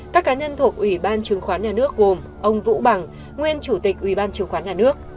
các cá nhân thuộc ủy ban chứng khoán nhà nước gồm ông vũ bằng nguyên chủ tịch ủy ban chứng khoán nhà nước